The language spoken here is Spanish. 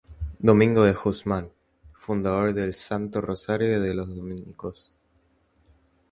Domingo de Guzmán, fundador del Santo Rosario y de los dominicos.